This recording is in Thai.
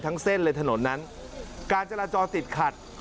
เส้นเลยถนนนั้นการจราจรติดขัด